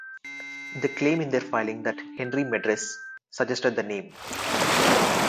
They claim in their filing that Henry Medress suggested the name.